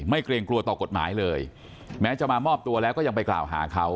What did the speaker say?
เกรงกลัวต่อกฎหมายเลยแม้จะมามอบตัวแล้วก็ยังไปกล่าวหาเขา